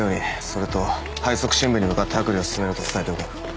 それと背側深部に向かって剥離を進めろと伝えておけ。